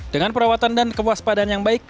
dengan perawatan dan kewaspadaan yang baik